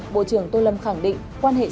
bộ trưởng tô lâm khẳng định